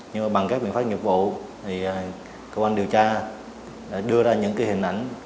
nhưng mà bằng các biện pháp nghiệp vụ thì cơ quan điều tra đưa ra những hình ảnh